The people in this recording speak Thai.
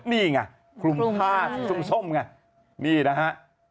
นี่ไงคลุมผ้าสีส้มไงนี่นะฮะ